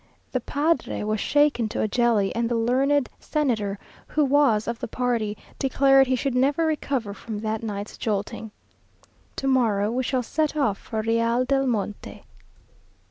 The padre was shaken to a jelly, and the learned senator, who was of the party, declared he should never recover from that night's jolting. To morrow we shall set off for Real del Monte.